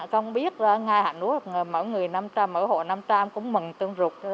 không biết ngay hà nội mỗi người năm trăm linh mỗi hộ năm trăm linh cũng mừng tương trục